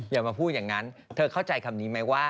อย่ามาพูดอย่างนั้นเธอเข้าใจคำนี้ไหมว่า